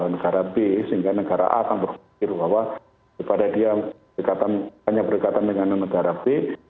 negara b sehingga negara a akan berpikir bahwa kepada dia hanya berdekatan dengan negara b